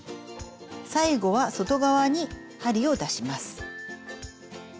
最後は外側に針を出します。